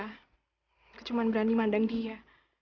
aku cuma berani mandang dia